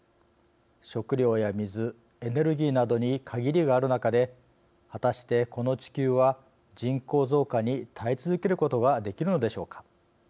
食料や水、エネルギーなどに限りがある中で果たして、この地球は人口増加に耐え続けることができるのでしょうか。